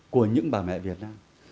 của những bà mẹ việt nam